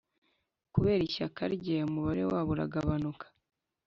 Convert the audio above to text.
kubera ishyaka rye, umubare wabo uragabanuka.